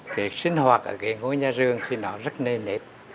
cái sinh hoạt ở cái ngôi nhà rường thì nó rất nê nếp